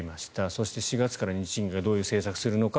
そして４月から日銀がどういう政策をするのか。